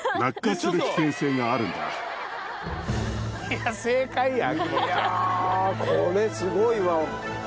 いやこれすごいわ。